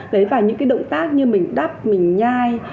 đấy và những cái động tác như mình đắp mình nhai